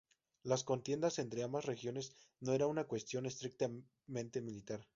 Las contiendas entre ambas regiones no era una cuestión estrictamente militar.